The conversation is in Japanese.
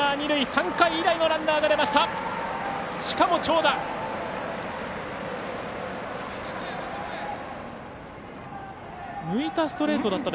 ３回以来のランナーが出ました。